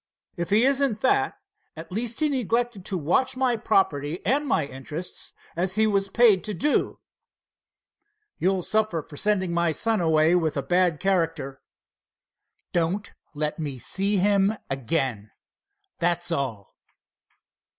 "If he isn't that, at least he neglected to watch my property and my interests as he was paid to do." "You'll suffer for sending my son away with a bad character!" "Don't let me see him again, that's all."